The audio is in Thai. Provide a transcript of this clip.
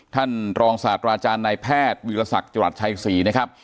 ท่านรองศาสตราจารย์นายแพทย์วิทยาศักดิ์จังหลักชายสี่นะครับ